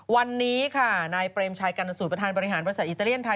วันนี้ค่ะนายเปรมชัยกรรณสูตรประธานบริหารบริษัทอิตาเลียนไทย